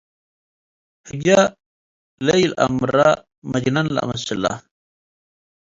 ህግየ ለኢለአምረ መጅነን ለአመስለ።